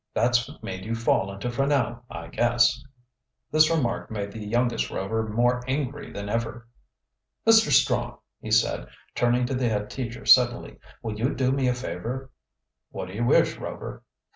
That's what made you fall into Franell, I guess." This remark made the youngest Rover more angry than ever. "Mr. Strong," he said, turning to the head teacher suddenly, "will you do me a favor?" "What do you wish, Rover?"